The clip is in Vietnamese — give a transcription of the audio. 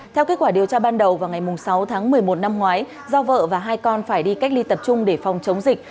theo kết quả điều tra ban đầu vào ngày sáu tháng một mươi một năm ngoái do vợ và hai con phải đi cách ly tập trung để phòng chống dịch